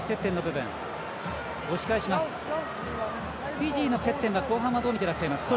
フィジーの接点は後半はどう見てらっしゃいますか。